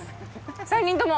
３人とも？